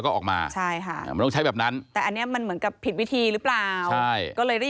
ก็เลยได้ฝังกลบซะเลย